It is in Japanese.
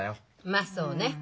まっそうね。